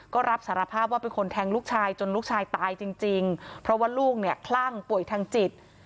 ก็รับสารภาพว่าเรียกว่าเป็นคนแทงลูกชายจนลูกชายตายจริงเพราะลูกคือกล้างป่วยทางจิต